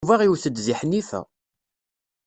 Yuba iwet-d deg Ḥnifa.